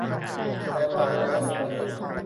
แล้วก็ซื้อสองถุง